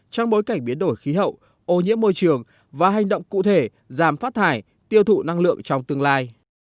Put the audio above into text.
trong bối cảnh biến đổi khí hậu ô nhiễm môi trường và hành động cụ thể giảm phát thải tiêu thụ năng lượng trong tương lai